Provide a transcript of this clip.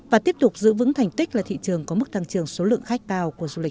và tiếp tục giữ vững thành tích là thị trường có mức tăng trường số lượng khách cao của du lịch hàn quốc